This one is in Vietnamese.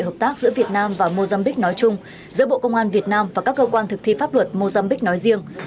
hợp tác giữa việt nam và mozambique nói chung giữa bộ công an việt nam và các cơ quan thực thi pháp luật mozambique nói riêng